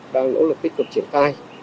đang nỗ lực tích cực triển khai